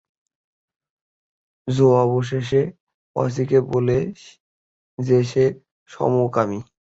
জো অবশেষে অর্চিকে বলে যে সে সমকামী।